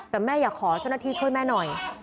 แต่แม่อยากขอเจ้าหน้าที่ช่วยแม่หน่อย